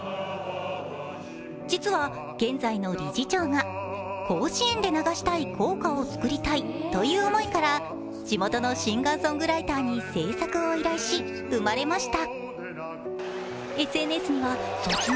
実は現在の理事長が甲子園で流したい校歌を作りたいという思いから地元のシンガーソングライターに制作を依頼し、生まれました。